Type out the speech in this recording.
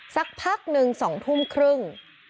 สักพักหนึ่ง๒ทุ่มครึ่ง